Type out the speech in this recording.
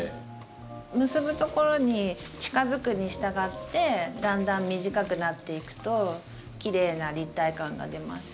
結ぶところに近づくにしたがってだんだん短くなっていくときれいな立体感が出ます。